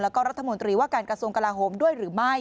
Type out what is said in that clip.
แล้วก็รัฐมนตรีว่าการกระทรวงกลาโฮมด้วยหรือไม่